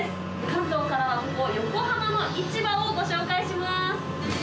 関東からはここ、横浜の市場をご紹介します。